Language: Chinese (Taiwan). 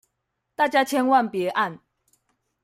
大家千萬別按